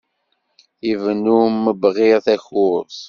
Ibennu mebɣir takurt.